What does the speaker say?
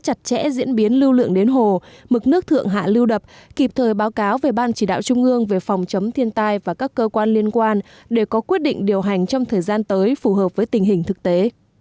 đặt trẻ diễn biến lưu lượng đến hồ mực nước thượng hạ lưu đập kịp thời báo cáo về ban chỉ đạo trung ương về phòng chống thiên tai và các cơ quan liên quan để có quyết định điều hành trong thời gian tới phù hợp với tình hình thực tế